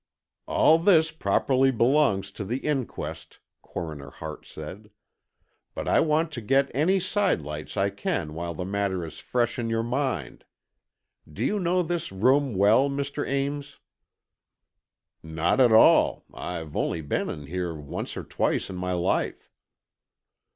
"All this properly belongs to the inquest," Coroner Hart said. "But I want to get any side lights I can while the matter is fresh in your mind. Do you know this room well, Mr. Ames?" "Not at all. I've only been in here once or twice in my life."